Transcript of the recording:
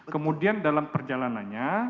kemudian dalam perjalanannya